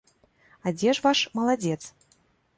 А дзе ж ваш маладзец?